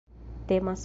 temas